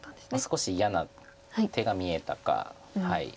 少し嫌な手が見えたか。